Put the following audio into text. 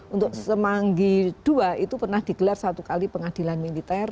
untuk semanggi ii itu pernah digelar satu kali pengadilan militer